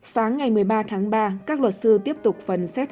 sáng ngày một mươi ba tháng ba các luật sư tiếp tục phần xét